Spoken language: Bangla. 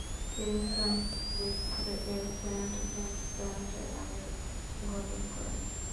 তিনি সেনলিস এ সেন্ট ভিনসেন্ট অ্যাবে গঠন করেন।